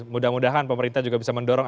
mudah mudahan pemerintah juga bisa mendorong